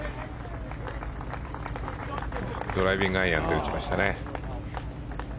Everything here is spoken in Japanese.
ドライビングアイアンで打ちましたね。